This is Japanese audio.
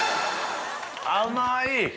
甘い！